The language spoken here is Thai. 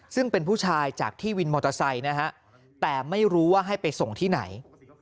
ซึ่งเป็นผู้ชายจากที่วินมอเตอร์ไซค์นะฮะแต่ไม่รู้ว่าให้ไปส่งที่ไหน